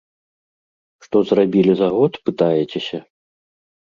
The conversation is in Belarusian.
Што зрабілі за год, пытаецеся?